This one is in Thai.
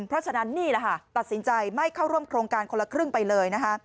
เพราะฉะนั้นนี่แหละค่ะตัดสินใจไม่เข้าร่วมโครงการคนละครึ่งไปเลยนะคะ